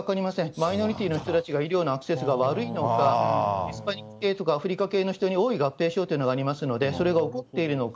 マイノリティーの人たちが医療へのアクセスが悪いのか、ヒスパニック系とか、アフリカ系の人に多い合併症というのがありますので、それが起こっているのか。